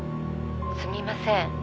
「すみません。